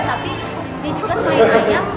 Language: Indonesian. tapi di sini juga selain ayam